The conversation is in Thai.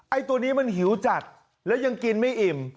ตัวนี้มันหิวจัดแล้วยังกินไม่อิ่ม